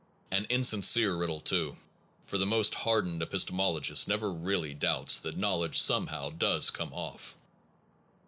An insin cere riddle, too, for the most hardened epis temologist never really doubts that know ledge somehow does come off.